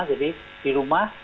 jadi di rumah